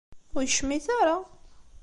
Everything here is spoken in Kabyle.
Ur icmit ara.